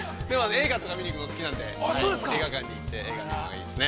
映画とか見に行くのが好きなので、映画館に行って映画を見るのがいいですね。